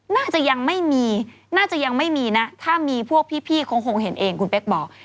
น่าจะยังไม่มีน่าจะยังไม่มีนะถ้ามีพวกพี่คงเห็นเองคุณเป๊กบอก